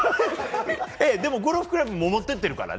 でもゴルフクラブも持っていってるからね。